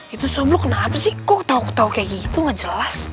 itu suami kenapa sih kok tau tau kayak gitu gak jelas